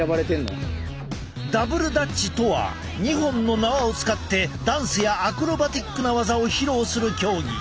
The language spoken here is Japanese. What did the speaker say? ダブルダッチとは２本の縄を使ってダンスやアクロバティックな技を披露する競技。